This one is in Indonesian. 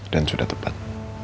dan sudah tepat